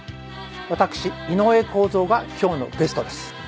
私井上公造が今日のゲストです。